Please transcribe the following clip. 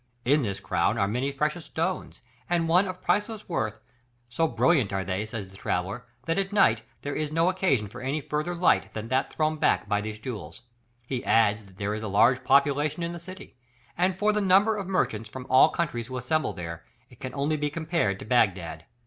In this crown are many precious stones, and one of priceless worth: "so brilliant are they," says this traveller, "that at night, there is no occasion for any further light than that thrown back by these jewels." He adds that there is a large population in the city, and for the number of merchants from all countries who assemble there, it can only be compared to Baghdad.